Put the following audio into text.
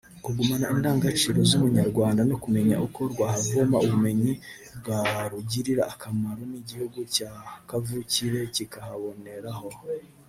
kugumana indangagaciro z’umunyarwanda no kumenya uko rwahavoma ubumenyi bwarugirira akamaro n’igihugu cya kavukire kikaboneraho